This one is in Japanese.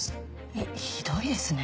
えっひどいですね。